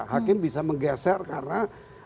hakim bisa menggeser karena